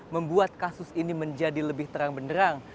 membuat kasus ini menjadi lebih terang benderang